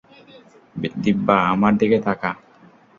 দিব্যা, আমার দিকে তাকা।